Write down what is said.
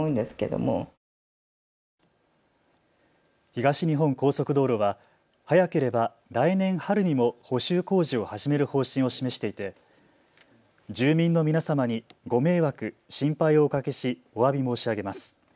東日本高速道路は早ければ来年春にも補修工事を始める方針を示していて住民の皆様にご迷惑、心配をおかけしおわび申し上げます。